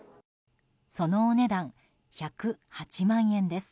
そのお値段、１０８万円です。